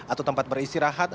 atau tempat beristirahat